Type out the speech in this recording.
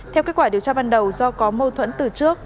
theo kết quả điều tra ban đầu do có mâu thuẫn từ trước